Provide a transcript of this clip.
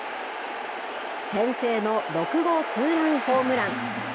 先制の６号ツーランホームラン。